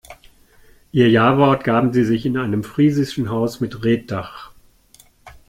Ihr Jawort gaben sie sich in einem friesischen Haus mit Reetdach.